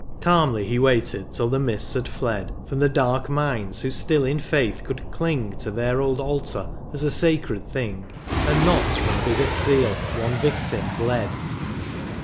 Calmly he waited till the mists had fled From the daxk minds who still in faith could cling To their old altar as a sacred thing ; And not from bigot zeal one victim bled.